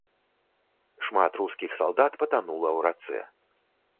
Шмат рускіх салдат патанула ў рацэ.